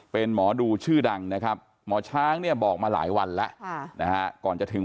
เป็นหมอดูชื่อดังนะครับหมอช้างเนี่ยบอกมาหลายวันแล้วนะฮะก่อนจะถึง